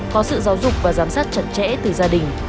có sự giáo dục và giám sát chặt chẽ từ gia đình